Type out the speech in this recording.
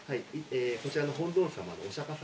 こちらの本尊さまのお釈迦様。